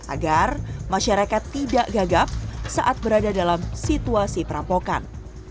agar masyarakat tidak gagap saat berada dalam situasi perampokan